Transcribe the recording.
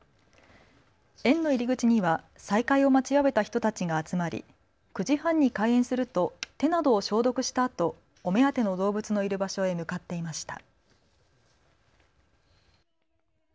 園の入り口には再開を待ちわびた人たちが集まり９時半に開園すると手などを消毒したあとお目当ての動物のいる場所へ向かっていました。